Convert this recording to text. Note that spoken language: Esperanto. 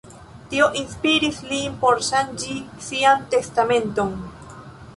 Tio inspiris lin por ŝanĝi sian testamenton.